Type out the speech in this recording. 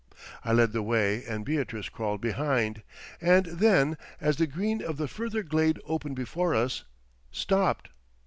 I led the way and Beatrice crawled behind, and then as the green of the further glade opened before us, stopped.